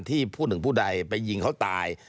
ที่พูดถึงผู้ใดไปยิงเขาตาย